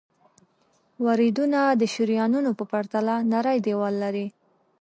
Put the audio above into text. وریدونه د شریانونو په پرتله نری دیوال لري.